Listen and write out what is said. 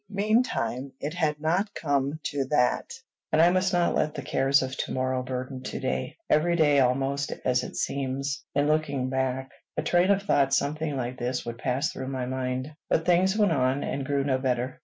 Meantime, it had not come to that, and I must not let the cares of to morrow burden to day. Every day, almost, as it seems in looking back, a train of thought something like this would pass through my mind. But things went on, and grew no better.